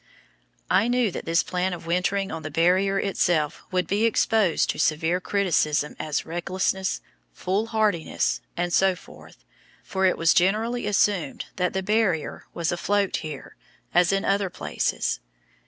I knew that this plan of wintering on the Barrier itself would be exposed to severe criticism as recklessness, foolhardiness, and so forth, for it was generally assumed that the Barrier was afloat here, as in other places.